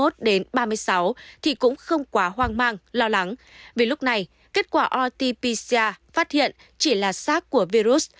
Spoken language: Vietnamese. từ hai mươi một đến ba mươi sáu thì cũng không quá hoang mang lo lắng vì lúc này kết quả rt pcr phát hiện chỉ là sát của virus